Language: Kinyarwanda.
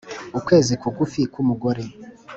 ukwezi kugufi kwu mugore,